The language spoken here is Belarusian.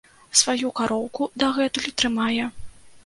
Сваю кароўку дагэтуль трымае.